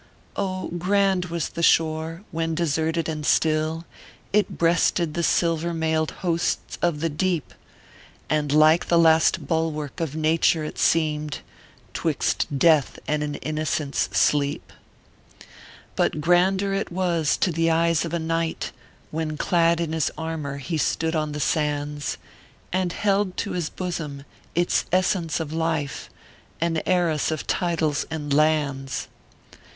Oh, grand was the shore, when deserted and still It breasted the silver mailed hosts of the Deep ! And like the last bulwark of Nature it seemed, Twixt Death and an Innocent s sleep. But grander it was to the eyes of a knight, "When clad in his armor he stood on the sands, And held to his bosom its essence of Life An heiress of titles and lands.